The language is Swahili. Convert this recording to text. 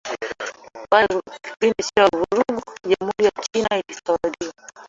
Baada ya kipindi cha vurugu jamhuri ya China ilitawaliwa